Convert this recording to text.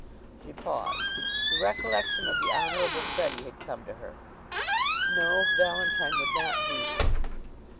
She paused. The recollection of the Honorable Freddie had come to her. No; Valentine would not do!